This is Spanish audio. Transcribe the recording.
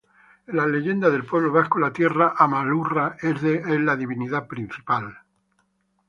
En las leyendas del pueblo vasco, la Tierra, "Ama-Lurra", es la divinidad principal.